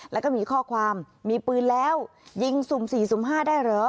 แล้วก็มีข้อความมีปืนแล้วยิงสุ่ม๔สุ่ม๕ได้เหรอ